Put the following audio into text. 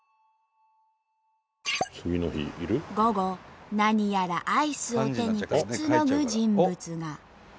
午後何やらアイスを手にくつろぐ人物が。